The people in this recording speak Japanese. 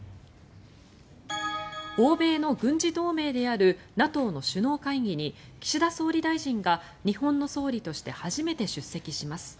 欧米の軍事同盟であるＮＡＴＯの首脳会議に岸田総理大臣が日本の総理として初めて出席します。